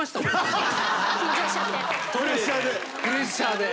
プレッシャーで？